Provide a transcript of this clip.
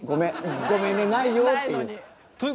「ごめんねないよ」っていう。